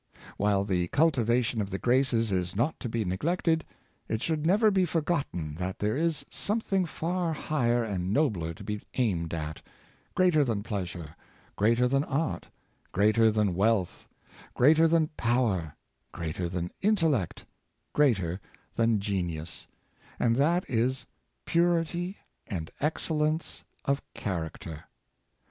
While the cultivation of the graces is not to be neg lected, it should never be forgotten that there is some thing far higher and nobler to be aimed at — greater than pleasure, greater than art, greater than wealth, greater than power, greater than intellect, greater than genius; and that is purity and excellence of character.